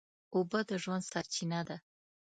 اوبه د ژوند سرچینه ده.